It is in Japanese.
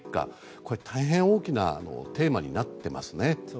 これ大変大きなテーマになってますね。